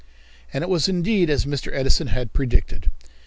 And it was indeed as Mr. Edison had predicted.